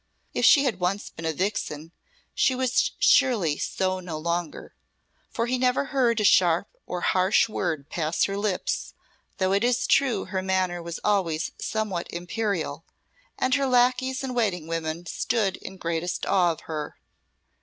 If she had once been a vixen, she was surely so no longer, for he never heard a sharp or harsh word pass her lips, though it is true her manner was always somewhat imperial, and her lacqueys and waiting women stood in greatest awe of her.